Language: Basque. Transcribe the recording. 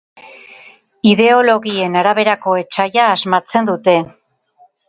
Ideologien araberako etsaia asmatzen dute.